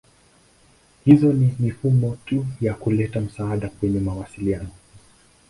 Hizo si mifumo tu ya kuleta msaada kwenye mawasiliano.